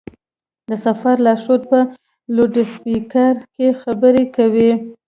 د سفر لارښود په لوډسپېکر کې خبرې کولې.